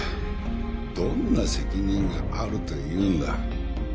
どんな責任があるというんだ？